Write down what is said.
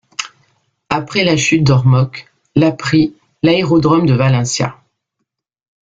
Après la chute d'Ormoc, la prit l'aérodrome de Valencia.